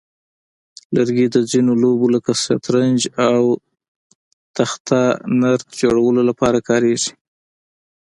لرګي د ځینو لوبو لکه شطرنج او تخته نرد جوړولو لپاره کارېږي.